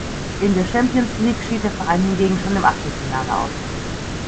In der Champions League schied der Verein hingegen schon im Achtelfinale aus.